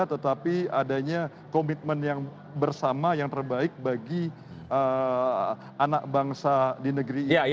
tetapi adanya komitmen yang bersama yang terbaik bagi anak bangsa di negeri ini